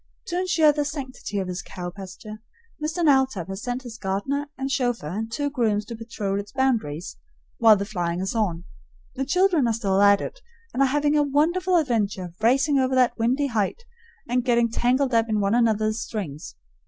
To insure the sanctity of his cow pasture, Mr. Knowltop has sent his gardener and chauffeur and two grooms to patrol its boundaries while the flying is on. The children are still at it, and are having a wonderful adventure racing over that windy height and getting tangled up in one another's strings.